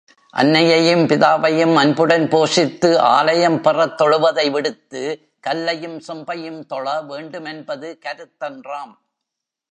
அன்னையையும் பிதாவையும் அன்புடன் போஷித்து ஆலயம் பெறத்தொழுவதை விடுத்து, கல்லையும் செம்பையும் தொழ வேண்டுமென்பது கருத்தன்றாம்.